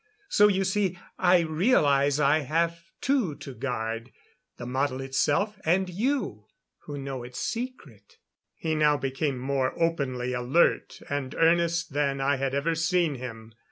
So you see, I realize I have two to guard the model itself, and you, who know its secret." He now became more openly alert and earnest than I had ever seen him.